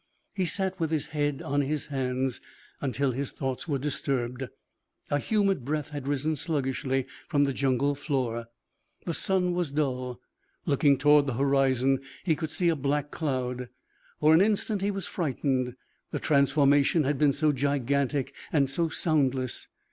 He sat with his head on his hands until his thoughts were disturbed. A humid breath had risen sluggishly from the jungle floor. The sun was dull. Looking toward the horizon, he could see a black cloud. For an instant he was frightened, the transformation had been so gigantic and so soundless.